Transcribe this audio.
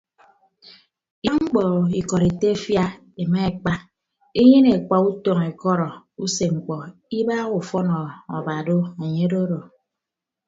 Idahami mkpọ ikọd etefia emaekpa enyen ekpa utọñ ekọrọ usemkpọ ibagha ufọn aba do enye ododo.